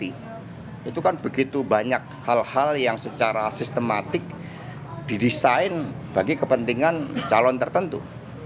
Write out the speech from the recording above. itu kan begitu banyak hal hal yang secara sistematik didesain bagi kepentingan calon tertentu